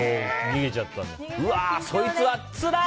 逃げちゃったんだ。